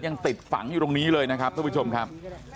ยังติดฝังอยู่ตรงนี้เลยนะครับท่านผู้ชมครับ